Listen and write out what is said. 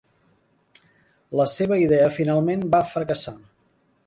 La seva idea finalment va fracassar.